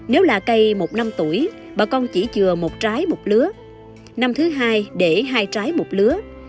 nếu là cây một năm tuổi bà con chỉ chừa một trái một lứa năm thứ hai để hai trái một lứa